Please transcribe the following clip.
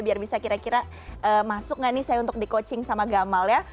biar bisa kira kira masuk gak nih saya untuk di coaching sama gamal ya